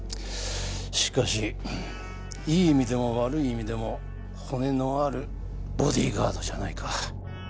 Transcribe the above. しかしいい意味でも悪い意味でも骨のあるボディーガードじゃないか。